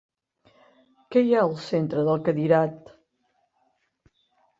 Què hi ha al centre del cadirat?